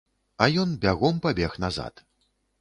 А ён бягом пабег назад.